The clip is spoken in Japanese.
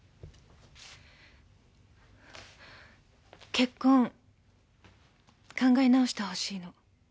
結婚考え直してほしいの。